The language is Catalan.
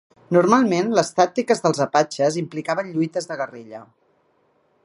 Normalment, les tàctiques dels apatxes implicaven lluites de guerrilla.